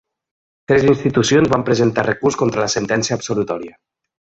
Tres institucions van presentar recurs contra la sentència absolutòria.